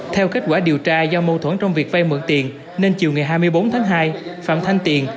theo kết quả điều tra do mâu thuẫn trong việc vay mượn tiền nên chiều ngày hai mươi bốn tháng hai phạm thanh tiền